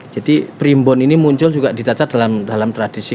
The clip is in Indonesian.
jadi primbon ini muncul juga ditaca dalam dalam tradisi